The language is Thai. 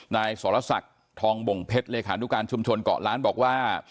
นายสรศักดิ์ทองบ่งเพชรเลขานุการชุมชนเกาะล้านบอกว่า